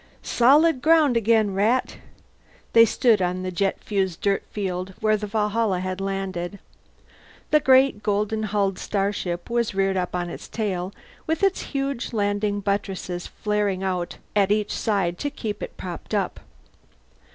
"Solid ground again, Rat!" They stood on the jet fused dirt field where the Valhalla had landed. The great golden hulled starship was reared up on its tail, with its huge landing buttresses flaring out at each side to keep it propped up.